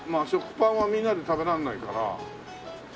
食パンはみんなで食べられないから。